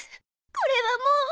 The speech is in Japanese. これはもう。